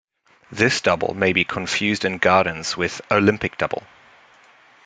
This double may be confused in gardens with 'Olympic Double'.